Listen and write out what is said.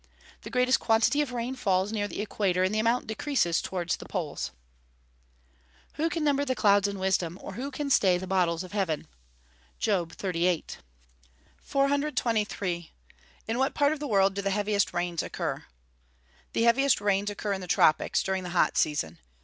_ The greatest quantity of rain falls near the equator, and the amount decreases towards the poles. [Verse: "Who can number the clouds in wisdom? or who can stay the bottles of heaven." JOB XXXVIII.] 423. In what part of the world do the heaviest rains occur? The heaviest rains occur in the tropics, during the hot season.